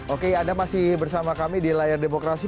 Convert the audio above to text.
oke anda masih bersama kami di layar demokrasi